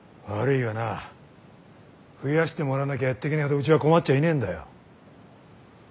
悪いがな増やしてもらわなきゃやってけねえほどうちは困っちゃいねえんだよ。